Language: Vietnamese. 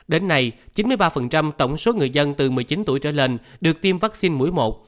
đến nay chín mươi ba tổng số người dân từ một mươi chín tuổi trở lên được tiêm vaccine mũi một